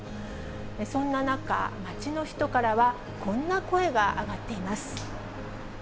そんな中、街の人からはこんな声が上がっています。